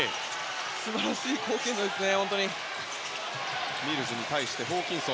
素晴らしい貢献度ですね。